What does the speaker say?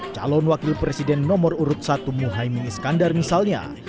calon wakil presiden nomor urut satu muhaymin iskandar misalnya